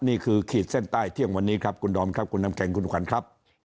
ขีดเส้นใต้เที่ยงวันนี้ครับคุณดอมครับคุณน้ำแข็งคุณขวัญครับ